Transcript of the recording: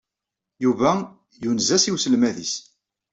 Yuba yunez-as i uselmad-nnes.